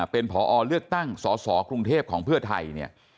เป็นผอเลือกตั้งสสกรุงเทพของเพื่อไทยเนี่ย